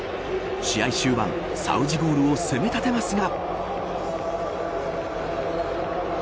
試合終盤サウジゴールを攻め立てますが。